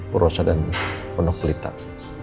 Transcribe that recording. purosa dan penuh kulit al